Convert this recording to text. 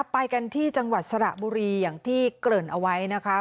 ไปกันที่จังหวัดสระบุรีอย่างที่เกริ่นเอาไว้นะคะ